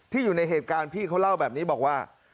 อยู่ในเหตุการณ์พี่เขาเล่าแบบนี้บอกว่า